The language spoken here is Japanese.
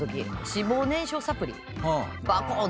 脂肪燃焼サプリバコッ！